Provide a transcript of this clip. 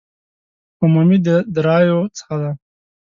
عمومي داراییو څخه دي.